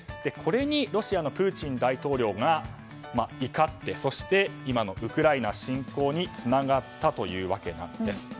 これにロシアのプーチン大統領が怒って、そして今のウクライナ侵攻につながったわけなんです。